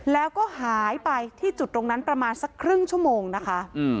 แล้วก็หายไปที่จุดตรงนั้นประมาณสักครึ่งชั่วโมงนะคะ